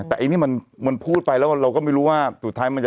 แต่ไอ้นี่มันพูดไปแล้วเราก็ไม่รู้ว่าสุดท้ายมันจะ